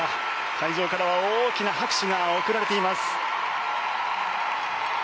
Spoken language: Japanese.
会場からは大きな拍手が送られています。